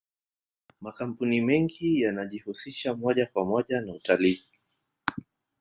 makampuni mengi yanajihusisha moja kwa moja na utalii